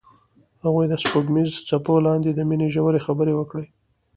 هغوی د سپوږمیز څپو لاندې د مینې ژورې خبرې وکړې.